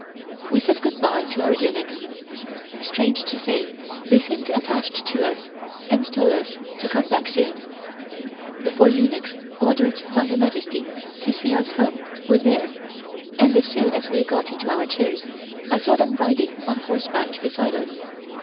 We said good bye to our eunuchs. Strange to say they seemed attached to us and told us to come back soon. The four eunuchs ordered by Her Majesty to see us home were there, and as soon as we got into our chairs I saw them riding on horseback beside us.